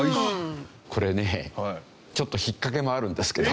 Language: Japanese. これねちょっと引っ掛けもあるんですけど。